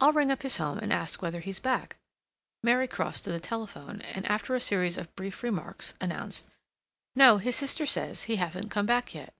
"I'll ring up his home and ask whether he's back." Mary crossed to the telephone and, after a series of brief remarks, announced: "No. His sister says he hasn't come back yet."